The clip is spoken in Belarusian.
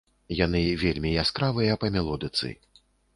Яны вельмі яскравыя па мелодыцы.